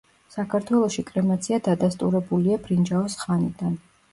საქართველოში კრემაცია დადასტურებულია ბრინჯაოს ხანიდან.